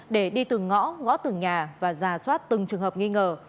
để đi từng ngõ gõ từng nhà và giả soát từng trường hợp nghi ngờ